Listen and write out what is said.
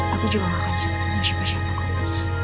aku juga gak akan cerita sama siapa siapa kok